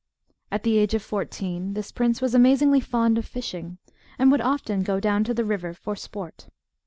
At the age of fourteen this prince was amazingly fond of fishing, and would often go down to the river for sport.